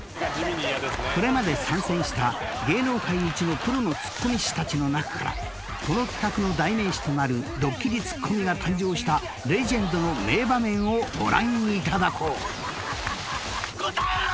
［これまで参戦した芸能界一のプロのツッコミ師たちの中からこの企画の代名詞となるドッキリツッコミが誕生したレジェンドの名場面をご覧いただこう］